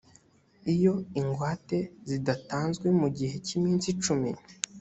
iyo ingwate zidatanzwe mu gihe cy’iminsi icumi